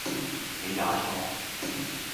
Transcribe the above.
你打錯